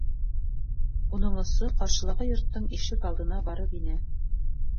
Уның осо ҡаршылағы йорттоң ишек алдына барып инә.